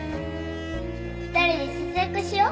２人で節約しよう。